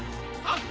あっ。